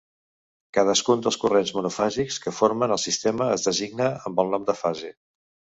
Cadascun dels corrents monofàsics que formen el sistema es designa amb el nom de fase.